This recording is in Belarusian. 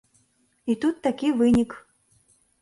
І тут такі вынік.